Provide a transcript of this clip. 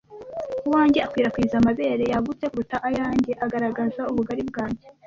Uwanjye akwirakwiza amabere yagutse kuruta ayanjye agaragaza ubugari bwanjye,